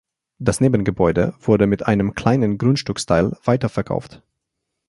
Das Nebengebäude wurde mit einem kleinen Grundstücksteil weiterverkauft.